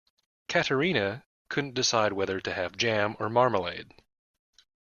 Katerina couldn't decide whether to have jam or marmalade.